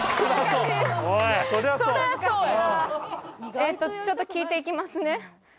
えっとちょっと聞いていきますね。